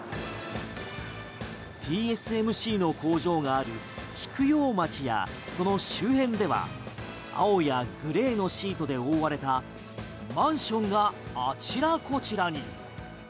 ＴＳＭＣの工場がある菊陽町やその周辺では青やグレーのシートで覆われたマンションがあちらこちらに。